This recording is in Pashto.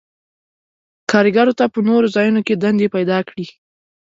کارګرو ته په نورو ځایونو کې دندې پیداکړي.